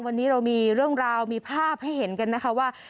วันนี้เรามีเรื่องราวมีภาพให้เห็นกันนะคะว่า